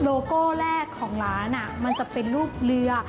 โลโก้แรกของร้านมันจะเป็นรูปเรือ